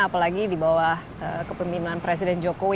apalagi di bawah kepemimpinan presiden jokowi